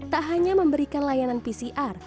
tak hanya memberikan layanan pcr